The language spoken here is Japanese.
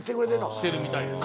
してるみたいです。